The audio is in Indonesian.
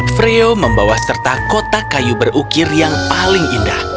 freo membawa serta kotak kayu berukir yang paling indah